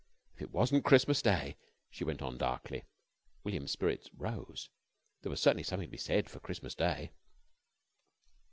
"If it wasn't Christmas Day ..." she went on darkly. William's spirits rose. There was certainly something to be said for Christmas Day.